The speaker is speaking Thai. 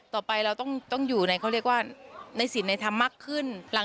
ต่อไปเราต้องอยู่ในเขาเรียกว่าในศิลปในธรรมมากขึ้น